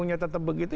kalau kpu tetap begitu